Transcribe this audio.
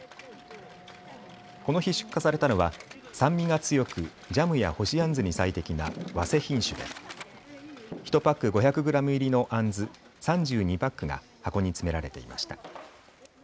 この日出荷されたのは酸味が強くジャムや干しあんずに最適なわせ品種で１パック５００グラム入りのあんず３２パックが箱に詰められていました。